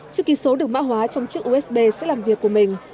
chữ ký số được mã hóa trong chiếc usb sẽ làm việc của mình